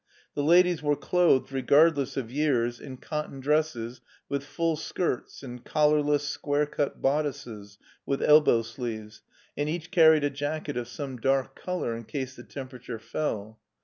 The ladies were clothed regardless of years in cotton dresses with full skirts and collarless, square cut bodices with elbow sleeves, and each carried a jacket of some dark color in case the temperature fell.